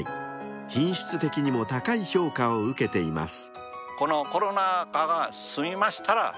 ［品質的にも高い評価を受けています］